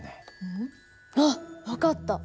うん？あっ分かった。